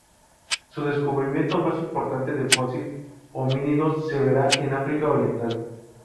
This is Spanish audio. Sus descubrimientos más importantes de fósiles homínidos se verán en África Oriental.